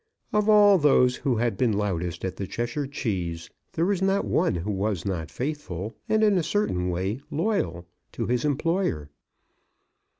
Of all those who had been loudest at the Cheshire Cheese there was not one who was not faithful, and, in a certain way, loyal to his employer.